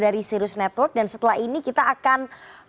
dari sirus network dan setelah ini kita akan